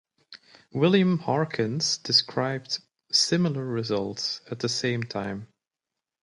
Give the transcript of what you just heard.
William Harkins described similar results at the same time.